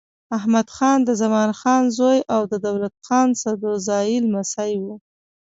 احمدخان د زمان خان زوی او د دولت خان سدوزايي لمسی و.